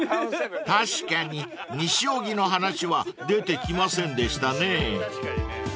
［確かに西荻の話は出てきませんでしたね］